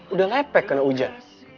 udah lepek kena hujan